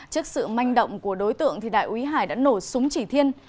trước sự manh động của đối tượng thì đại quý hải đã nổ súng chỉ thiên